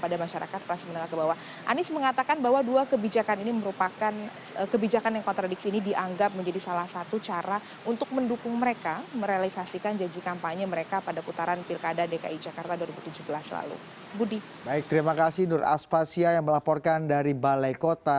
dan juga mengatakan bahwa anggota pemprov ini akan memiliki kebijakan yang lebih baik